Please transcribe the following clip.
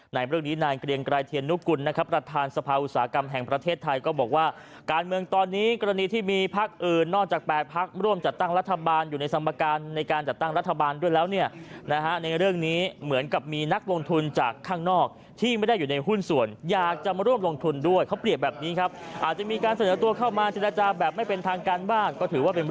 ในเรื่องนี้นายเกรียงกรายเทียนนุกุลนะครับประธานสภาอุตสาหกรรมแห่งประเทศไทยก็บอกว่าการเมืองตอนนี้กรณีที่มีภักดิ์อื่นนอกจาก๘ภักดิ์ร่วมจัดตั้งรัฐบาลอยู่ในสมการในการจัดตั้งรัฐบาลด้วยแล้วเนี่ยในเรื่องนี้เหมือนกับมีนักลงทุนจากข้างนอกที่ไม่ได้อยู่ในหุ้นส่วนอยากจะมาร่วมลงทุน